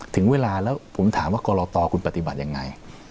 ถึงเวลาแล้วผมถามว่ากรตคุณปฏิบัติยังไง